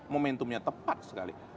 momentumnya tepat sekali